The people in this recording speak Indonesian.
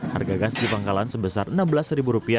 harga gas di pangkalan sebesar rp enam belas